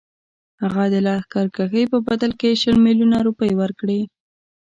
هغه د لښکرکښۍ په بدل کې شل میلیونه روپۍ ورکړي.